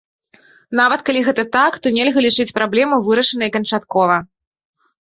Нават калі гэта так, то нельга лічыць праблему вырашанай канчаткова.